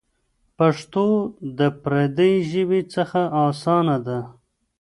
پښتو د پردۍ ژبې څخه اسانه ده.